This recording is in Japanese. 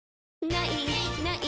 「ない！ない！